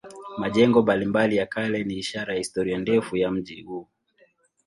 Majengo mbalimbali ya kale ni ishara ya historia ndefu ya mji huu.